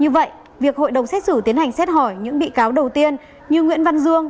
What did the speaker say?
như vậy việc hội đồng xét xử tiến hành xét hỏi những bị cáo đầu tiên như nguyễn văn dương